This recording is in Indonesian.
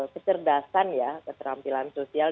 kecerdasan ya keterampilan sosial